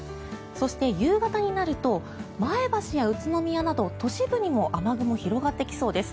そして、夕方になると前橋や宇都宮など都市部にも雨雲、広がってきそうです。